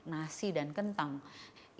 itu yang membuat saya pada akhirnya harus mengusir